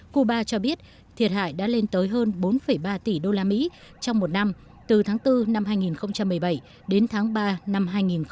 cuba cho biết thiệt hại đã lên tới hơn bốn ba tỷ đô la mỹ trong một năm từ tháng bốn năm hai nghìn một mươi bảy đến tháng ba năm hai nghìn một mươi tám